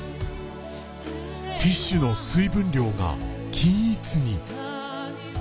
ティッシュの水分量が均一に。